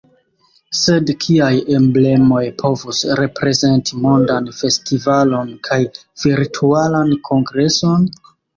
Sed kiaj emblemoj povus reprezenti mondan festivalon kaj virtualan kongreson?